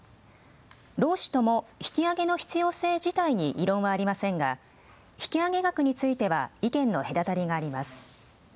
労使とも引き上げの必要性自体に異論はありませんが引き上げ額については意見の隔たりがあります。